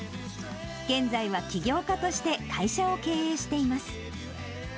現在は起業家として、会社を経営しています。